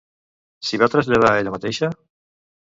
S'hi va traslladar ella mateixa?